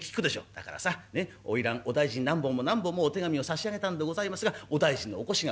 「だからさねっ『花魁お大尽に何本も何本もお手紙を差し上げたんでございますがお大尽のお越しがございません。